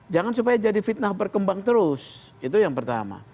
jangan supaya jadi fitnah berkembang terus itu yang pertama